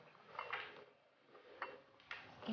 aku harus bisa kerja